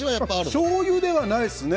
しょうゆではないですね。